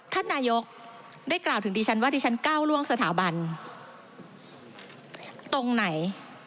ท่านนายกได้กล่าวถึงดิฉันว่าดิฉันก้าวล่วงสถาบันตรงไหน